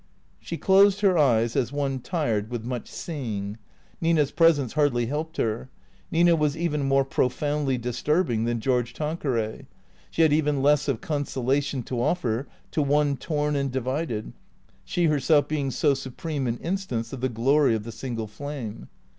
She closed her eyes as one tired with much seeing. Nina's presence hardly helped her. Nina was even more profoundly disturbing than George Tanqueray; she had even less of conso lation to offer to one torn and divided, she herself being so supreme an instance of the glory of the single flame.